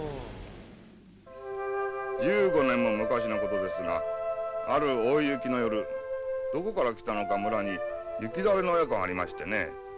１５年も昔のことですがある大雪の夜どこから来たのか村に行き倒れの親子がありましてね。